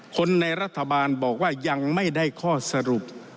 คนในรัฐบาลบอกว่ายังไม่ได้ข้อสรุป